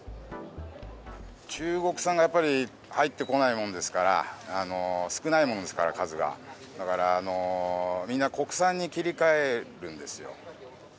中国産がやっぱり、入ってこないもんですから、少ないものですから、数が、だから、みんな国産に切り替えるんですよ。